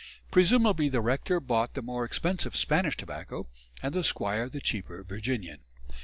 Presumably the rector bought the more expensive Spanish tobacco and the squire the cheaper Virginian.